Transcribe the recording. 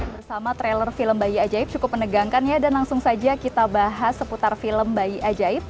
bersama trailer film bayi ajaib cukup menegangkan ya dan langsung saja kita bahas seputar film bayi ajaib